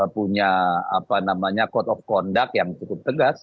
punya apa namanya code of conduct yang cukup tegas